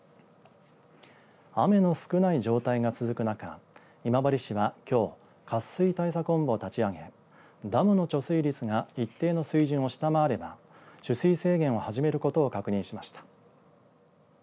雨の少ない状態が続く中今治市は、きょう渇水対策本部を立ち上げダムの貯水率が一定の水準を下回れば取水制限を始めることを確認しました。